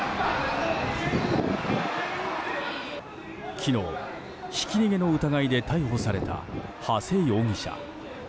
昨日、ひき逃げの疑いで逮捕された長谷容疑者。